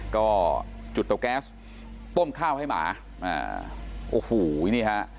ก็จุดเตาแก๊สต้มข้าวให้หมาอ่าโอ้โหนี่ฮะ